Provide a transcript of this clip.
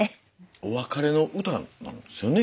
お別れの歌なんですよね